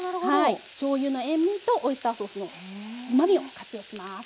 しょうゆの塩味とオイスターソースのうまみを活用します。